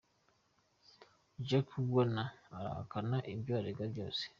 Jack Warner arahakana ivyo aregwa vyose.